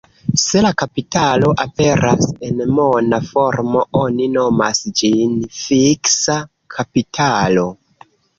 Se la kapitalo aperas en mona formo, oni nomas ĝin fiksa kapitalo.